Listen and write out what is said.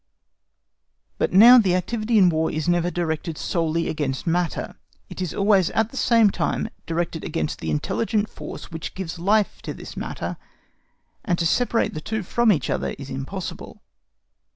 But now the activity in War is never directed solely against matter; it is always at the same time directed against the intelligent force which gives life to this matter, and to separate the two from each other is impossible.